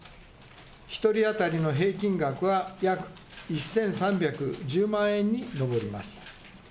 １人当たりの平均額は約１３１０万円に上ります。